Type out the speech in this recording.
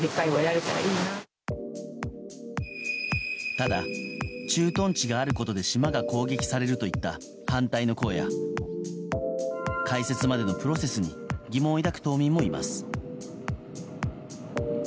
ただ、駐屯地があることで島が攻撃されるといった反対の声や開設までのプロセスに疑問を抱く島民もいます。